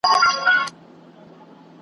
شاوخواته تشه توره کربلا وه .